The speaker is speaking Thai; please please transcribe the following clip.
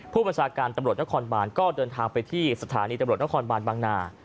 ประชาการตำรวจนครบานก็เดินทางไปที่สถานีตำรวจนครบานบางนา